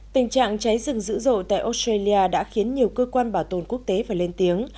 tình trạng cháy rừng dữ dội tại australia đã khiến nhiều cơ quan bảo tồn quốc tế phải lên tiếng